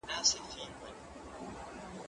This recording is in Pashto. زه هره ورځ لوبه کوم.